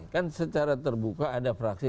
kan secara terbuka ada fraksi